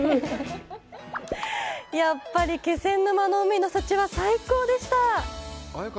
やっぱり気仙沼の海の幸は最高でした！